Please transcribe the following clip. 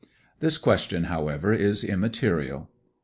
This question, however, is immaterial.